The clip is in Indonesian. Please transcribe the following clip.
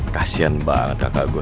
kasian banget kakak gue